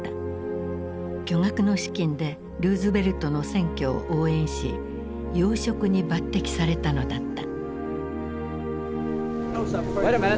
巨額の資金でルーズベルトの選挙を応援し要職に抜てきされたのだった。